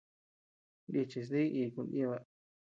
Nichis dí iku nʼiba.